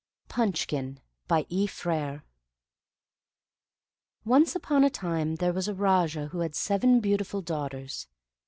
PUNCHKIN By E. Frere Once upon a time there was a Raja who had seven beautiful daughters.